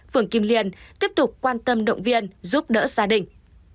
phường kim liên tiếp tục quan tâm động viên giúp đỡ gia đình